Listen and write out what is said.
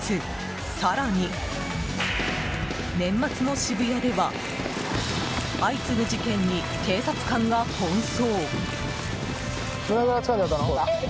更に、年末の渋谷では相次ぐ事件に警察官が奔走！